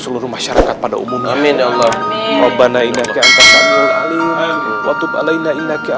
seluruh masyarakat pada umumnya amin allah robana indah ke atas alim waktu balai nanti